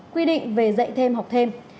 quy định về dạy thêm học thêm